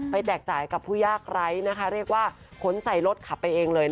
ปุ้ยเห็นภาพ